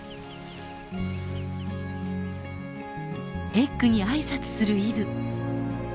エッグに挨拶するイブ。